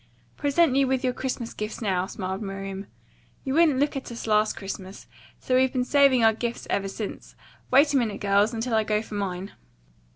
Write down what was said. "Present you with your Christmas gifts now," smiled Miriam. "You wouldn't look at us last Christmas, so we've been saving our gifts ever since. Wait a minute, girls, until I go for mine."